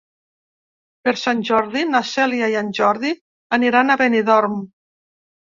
Per Sant Jordi na Cèlia i en Jordi aniran a Benidorm.